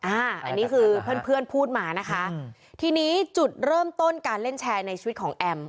อันนี้คือเพื่อนเพื่อนพูดมานะคะทีนี้จุดเริ่มต้นการเล่นแชร์ในชีวิตของแอม